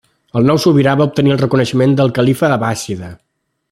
El nou sobirà va obtenir el reconeixement del califa abbàssida.